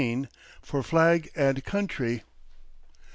FOR FLAG AND COUNTRY.